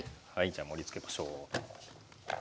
じゃあ盛りつけましょう。